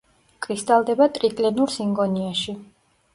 კრისტალდება ტრიკლინურ სინგონიაში.